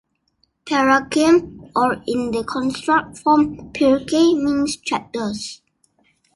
"Perakim", or in the construct form "pirkei", means "chapters.